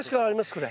これ。